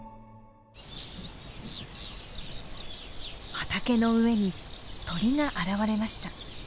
畑の上に鳥が現れました。